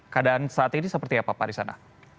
keadaan saat ini seperti apa pak risana